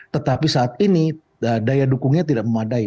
tetapi saat ini daya dukungnya tidak memadai